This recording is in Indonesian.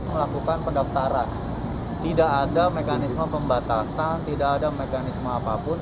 melakukan pendaftaran tidak ada mekanisme pembatasan tidak ada mekanisme apapun